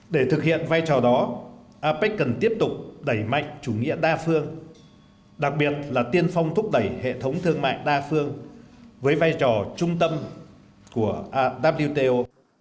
để thực hiện vai trò đó apec cần tiếp tục đẩy mạnh chủ nghĩa đa phương đặc biệt là tiên phong thúc đẩy hệ thống thương mại đa phương với vai trò trung tâm của wto